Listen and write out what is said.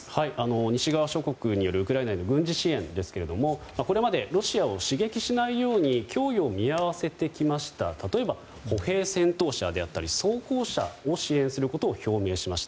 西側諸国によるウクライナへの軍事支援ですがこれまでロシアを刺激しないよう供与を見合わせてきた例えば、歩兵戦闘車だったり装甲車を支援することを表明しました。